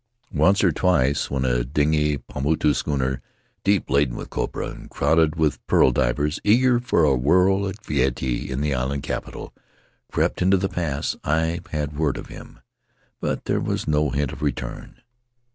Once or twice — when a dingy Paumotu schooner, deep laden with copra and crowded with pearl divers eager for a whirl of gayety in the island capital, crept into the pass — I had word of him, but there was no hint of return.